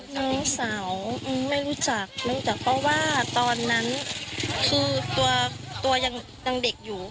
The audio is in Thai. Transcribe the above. น้องสาวไม่รู้จักเพราะว่าตอนนั้นคือตัวยังเด็กอยู่